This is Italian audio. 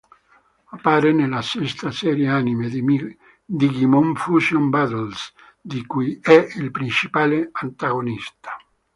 Appare nella sesta serie anime, Digimon Fusion Battles, di cui è il principale antagonista.